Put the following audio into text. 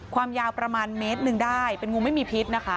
ความยาวประมาณเมตรหนึ่งได้เป็นงูไม่มีพิษนะคะ